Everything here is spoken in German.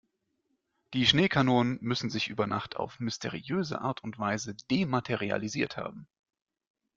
Die Schneekanonen müssen sich über Nacht auf mysteriöse Art und Weise dematerialisiert haben.